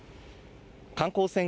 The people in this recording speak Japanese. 観光船